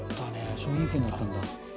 商品券だったんだ。